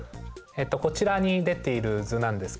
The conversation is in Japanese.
こちらに出ている図なんですけれども。